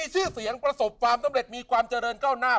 ชื่อเสียงประสบความสำเร็จมีความเจริญก้าวหน้า